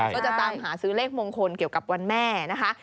ก็จะตามหาซื้อเลขมงคลเกี่ยวกับวันแม่นะคะ